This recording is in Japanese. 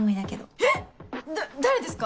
えっ⁉誰ですか？